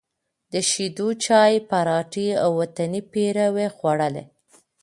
د شېدو چای، پراټې او وطني پېروی خوړلی،